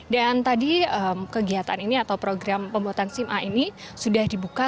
tadi kegiatan ini atau program pembuatan sim a ini sudah dibuka